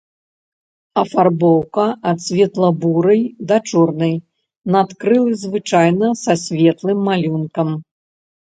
Афарбоўка ад светла-бурай да чорнай, надкрылы звычайна са светлым малюнкам.